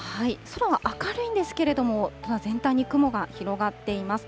空は明るいんですけれども、今、全体に雲が広がっています。